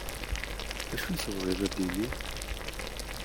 D acu i tebɣiḍ ad d-iniḍ.